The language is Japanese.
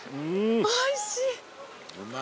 おいしい。